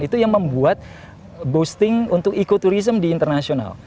itu yang membuat boosting untuk ekoturism di internasional